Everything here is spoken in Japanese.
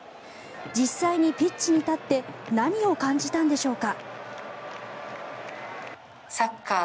実際にピッチに立って何を感じたんでしょうか。